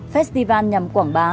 các điểm đến du lịch hấp dẫn